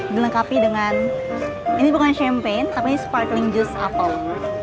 dilengkapi dengan ini bukan champagne tapi sparkling juice apple